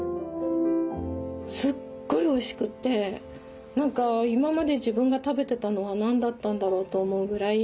すっごいおいしくて何か今まで自分が食べてたのは何だったんだろうと思うぐらい。